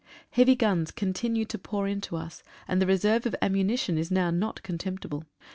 Heavy guns continue to pour in to us, and the reserve of ammunition is now not contemptible.